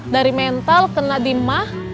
dari mental kena di mah